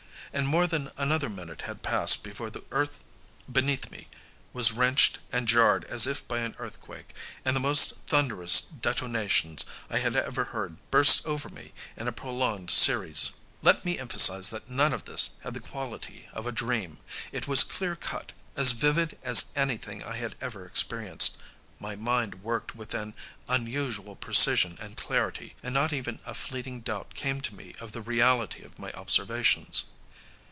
And more than another minute had passed before the earth beneath me was wrenched and jarred as if by an earthquake and the most thunderous detonations I had ever heard burst over me in a prolonged series. Let me emphasize that none of this had the quality of a dream; it was clear cut, as vivid as anything I had ever experienced; my mind worked with an unusual precision and clarity, and not even a fleeting doubt came to me of the reality of my observations.